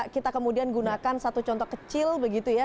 kita kemudian gunakan satu contoh kecil begitu ya